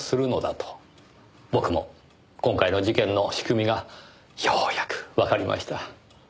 僕も今回の事件の仕組みがようやくわかりました。